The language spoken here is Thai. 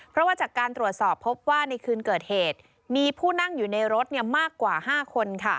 เพราะว่าจากการตรวจสอบพบว่าในคืนเกิดเหตุมีผู้นั่งอยู่ในรถมากกว่า๕คน